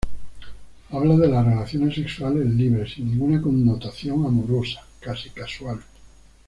Habla de las relaciones sexuales libres, sin ninguna connotación amorosa, casi casual.